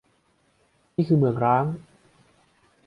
นี่คือเหมืองร้าง